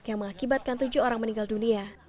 yang mengakibatkan tujuh orang meninggal dunia